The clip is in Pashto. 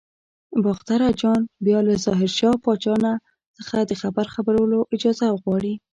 باختر اجان بیا له ظاهر شاه پاچا څخه د خبر خپرولو اجازه غواړي.